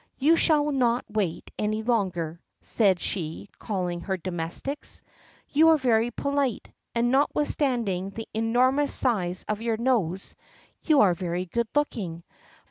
"You shall not wait any longer," said she, calling her domestics; "you are very polite, and notwithstanding the enormous size of your nose, you are very good looking."